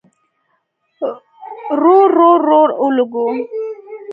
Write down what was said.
رور، رور، رور اولګوو